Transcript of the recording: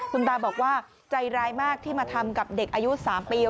คุณตาบอกว่าใจร้ายมากที่มาทำกับเด็กอายุ๓ปี